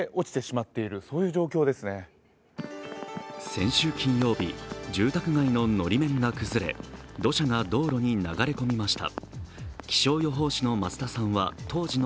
先週金曜日、住宅街ののり面が崩れ、土砂が道路に流れ込みました。